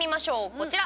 こちら！